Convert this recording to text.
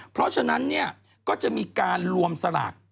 เพราะฉะนั้นก็จะมีการรวมสลาก